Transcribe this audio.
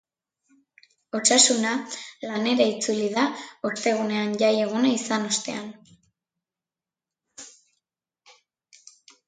Osasuna lanera itzuli da ostegunean jai eguna izan ostean.